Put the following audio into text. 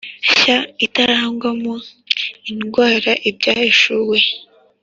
nshya itarangwamo indwara Ibyahishuwe